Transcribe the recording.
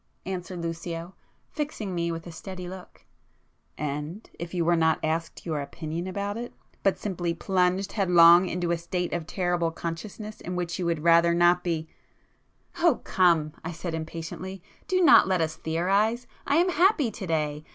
answered Lucio, fixing me with a steady look—"And—if you were not asked your opinion about it—but simply plunged headlong into a state of terrible consciousness in which you would rather not be——" "Oh come," I said impatiently—"do not let us theorise! I am happy to day!